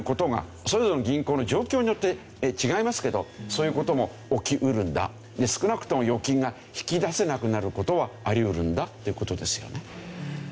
それぞれの銀行の状況によって違いますけどそういう事も起きうるんだ少なくとも預金が引き出せなくなる事はありうるんだという事ですよね。